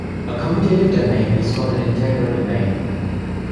A commutative domain is called an integral domain.